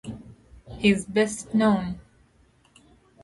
His best known.